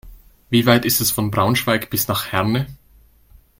Wie weit ist es von Braunschweig bis nach Herne?